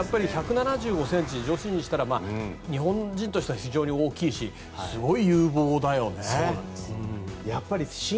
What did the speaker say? １７５ｃｍって女子にしたら日本人としては大きいしすごい有望だよね。